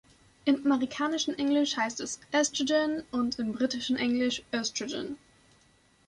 Im amerikanischen Englisch heißt es „estrogen“ und im britischen Englisch „oestrogen“.